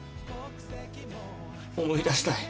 思い出したい。